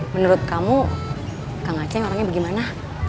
menurut kamu kak ngaceng orangnya bagaimana